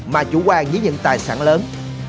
mà chủ quan với những tài sản lớn